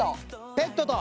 ペットと。